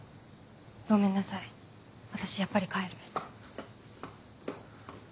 ごめんなさい私やっぱり帰る。